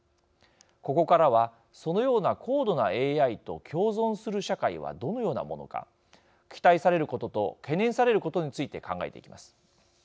ここからはそのような高度なＡＩと共存する社会はどのようなものか期待されることと懸念されることについて考えていきます。